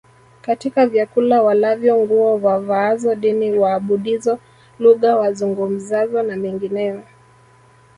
katika vyakula walavyo nguo wavaazo dini waabudizo lugha wazungumzazo na mengineyo